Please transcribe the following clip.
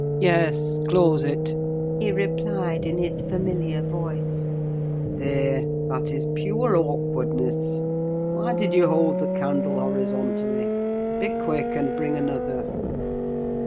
"Yes, close it," he replied, in his familiar voice. "There, that is pure awkwardness! Why did you hold the candle horizontally? Be quick, and bring another."